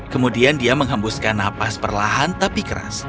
kemudian dia menghembuskan napas perlahan tapi keras